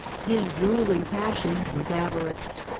His ruling passion was avarice.